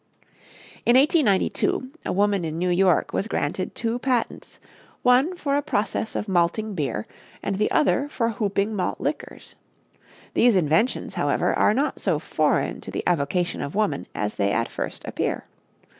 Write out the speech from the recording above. In 1892 a woman in New York was granted two patents, one for a process of malting beer and the other for hooping malt liquors. These inventions, however, are not so foreign to the avocation of woman as they at first appear.